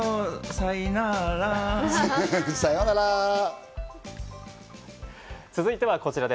さいなら。